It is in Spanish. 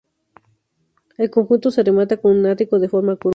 El conjunto se remata con un ático de forma curva.